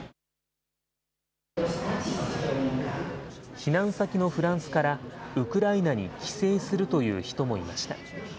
避難先のフランスからウクライナに帰省するという人もいました。